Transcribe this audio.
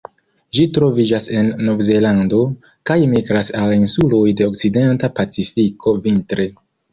Ĝi troviĝas en Novzelando, kaj migras al insuloj de okcidenta Pacifiko vintre.